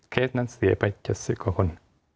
นั้นเสียไป๗๐กว่าคน